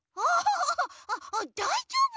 あだいじょうぶ？